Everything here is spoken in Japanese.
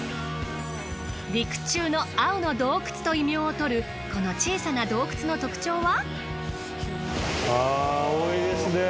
陸中の青の洞窟と異名を取るこの小さな洞窟の特徴は。